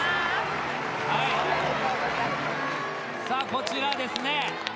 こちらですね